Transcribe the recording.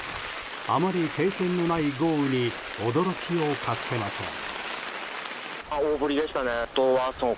あまり経験のない豪雨に驚きを隠せません。